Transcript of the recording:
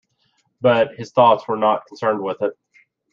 But his thoughts were not concerned with it.